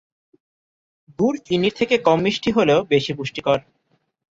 গুড় চিনির থেকে কম মিষ্টি হলেও বেশি পুষ্টিকর।